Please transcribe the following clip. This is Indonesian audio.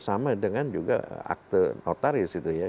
sama dengan juga akte notaris itu ya